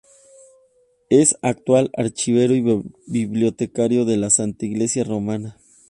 Es actual archivero y bibliotecario de la Santa Iglesia Romana.